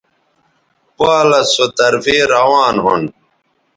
پالس سو طرفے روان ھون